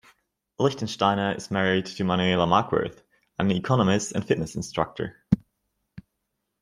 Lichtsteiner is married to Manuela Markworth, an economist and fitness instructor.